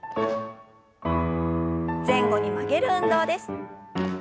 前後に曲げる運動です。